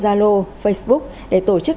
zalo facebook để tổ chức